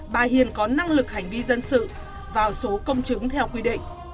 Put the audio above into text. bà hiền có năng lực hành vi dân sự vào số công chứng theo quy định